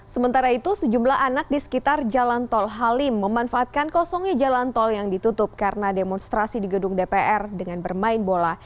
sementara itu sejumlah anak di sekitar jalan tol halim memanfaatkan kosongnya jalan tol yang ditutup karena demonstrasi di gedung dpr dengan bermain bola